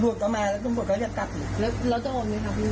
ก็บวกกับแม่แล้วก็บวกกับเรียกกัดเลยแล้วแล้วจะโดนไหมครับพี่